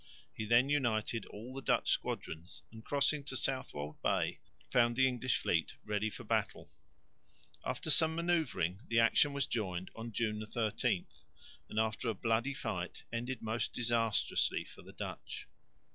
He then united all the Dutch squadrons and crossing to Southwold Bay found the English fleet ready for battle. After some manoeuvring the action was joined on June 13, and after a bloody fight ended most disastrously for the Dutch.